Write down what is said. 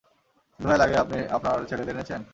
দোহায় লাগে, আপনি আপনার ছেলেদের এনেছেন?